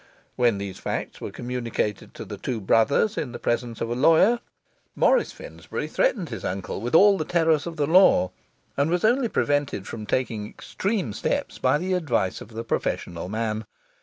When these facts were communicated to the two brothers in the presence of a lawyer, Morris Finsbury threatened his uncle with all the terrors of the law, and was only prevented from taking extreme steps by the advice of the professional man.